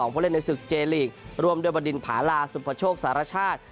ผู้เล่นในศึกเจลีกร่วมด้วยบดินผาลาสุภโชคสารชาติ